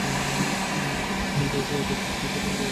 এত অল্প বয়সে এতটা চাতুরী দেখিয়া বড়ো খুশি হইলাম।